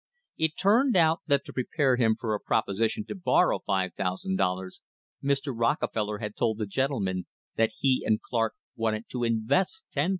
It turned out that to prepare him for a proposition to bor row $5,000 Mr. Rockefeller had told the gentleman that he and Clark wanted to invest $10,000!